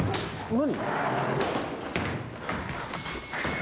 何？